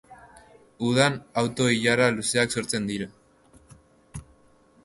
Udan auto ilara luzeak sortzen dira.